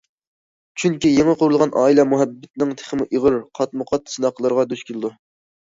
چۈنكى، يېڭى قۇرۇلغان ئائىلە مۇھەببەتنىڭ تېخىمۇ ئېغىر، قاتمۇ- قات سىناقلىرىغا دۇچ كېلىدۇ.